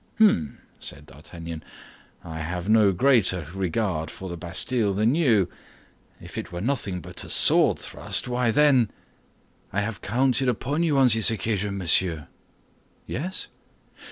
"Hum!" said D'Artagnan. "I have no greater regard for the Bastille than you. If it were nothing but a sword thrust, why then—" "I have counted upon you on this occasion, monsieur." "Yes?"